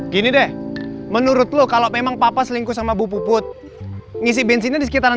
gini deh menurut lo kalau memang papa selingkuh sama bu put ngisi bensinnya di sekitaran